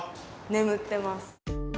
眠ってます。